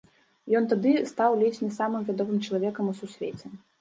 Ён тады стаў ледзь не самым вядомым чалавекам у сусвеце.